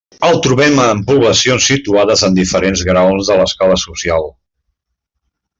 El trobem en poblacions situades en diferents graons de l'escala social.